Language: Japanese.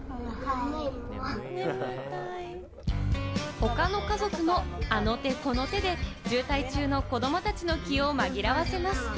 他の家族も、あの手この手で渋滞中の子供たちの気を紛らわせます。